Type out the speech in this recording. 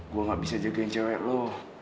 gue gak bisa jagain cewek lo